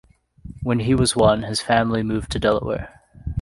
When he was one, his family moved to Delaware.